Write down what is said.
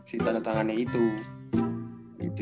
si tanda tangannya itu